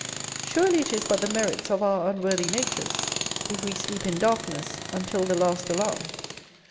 Surely it is but the merits of our unworthy natures, if we sleep in darkness until the last alarm.